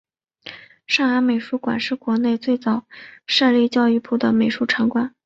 上海美术馆是国内最早设立教育部的美术场馆。